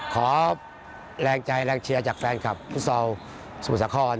ขอแรงใจแรงเชียร์จากแฟนคาร์ดสมุทรศครน